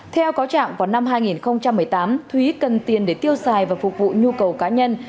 theo cáo trạng vào năm hai nghìn một mươi tám thúy cần tiền để tiêu xài và phục vụ nhu cầu cá nhân